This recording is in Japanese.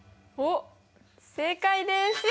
おっ正解です。